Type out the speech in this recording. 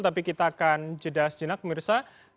tapi kita akan jeda sejenak pemirsa